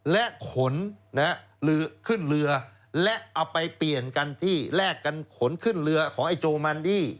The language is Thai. และขนขึ้นเรือและเอาไปเปลี่ยนกันที่แลกกันขนขึ้นเรือของไอ้โจมันดี้